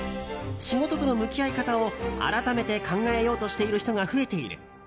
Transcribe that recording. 仕事との向き合い方を改めて考えようとしている人が増えている。